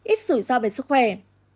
ít rủi ro về sức khỏe